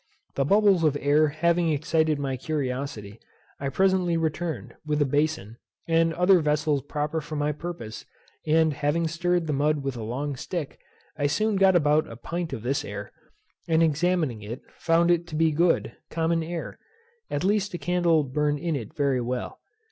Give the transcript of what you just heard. These bubbles of air having excited my curiosity, I presently returned, with a bason, and other vessels proper for my purpose, and having stirred the mud with a long stick, I soon got about a pint of this air; and, examining it, found it to be good, common air; at least a candle burned in it very well.